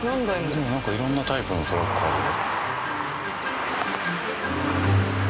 でもなんか色んなタイプのトラックあるよ。